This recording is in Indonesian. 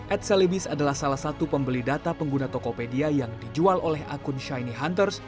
adselibis adalah salah satu pembeli data pengguna tokopedia yang dijual oleh akun shiny hunters